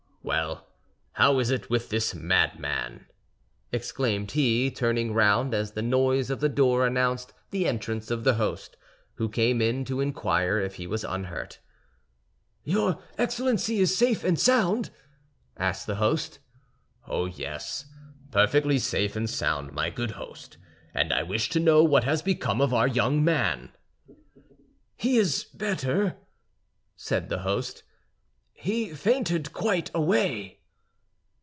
"Well, how is it with this madman?" exclaimed he, turning round as the noise of the door announced the entrance of the host, who came in to inquire if he was unhurt. "Your Excellency is safe and sound?" asked the host. "Oh, yes! Perfectly safe and sound, my good host; and I wish to know what has become of our young man." "He is better," said the host, "he fainted quite away."